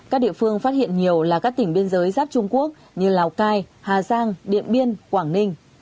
các địa phương phát hiện nhiều là các tỉnh biên giới giáp trung quốc như lào cai hà giang điện biên quảng ninh